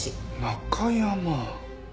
ナカヤマ。